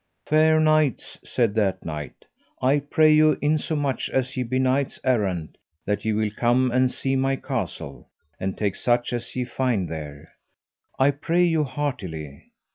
Fair knights, said that knight, I pray you insomuch as ye be knights errant, that ye will come and see my castle, and take such as ye find there; I pray you heartily.